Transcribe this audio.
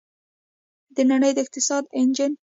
د نړۍ د اقتصاد انجن.